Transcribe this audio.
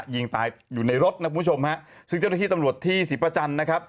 ยิงตายอยู่ในรถซึ่งเจ้าหน้าที่ตำรวจที่ศรีประจันทร์